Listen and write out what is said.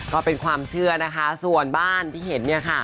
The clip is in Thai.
ก็เป็นความเชื่อนะคะส่วนบ้านที่เห็นเนี่ยค่ะ